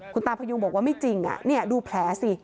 คุณตาพยุงบอกว่าไม่จริงดูแผลสิ